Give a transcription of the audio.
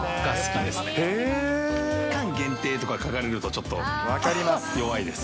期間限定とか書かれると、ちょっと弱いです。